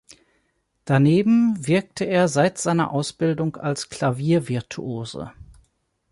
Daneben wirkte er seit seiner Ausbildung als Klaviervirtuose.